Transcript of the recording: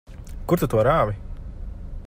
Kur tu to rāvi?